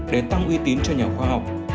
để tăng uy tín cho nhà khoa học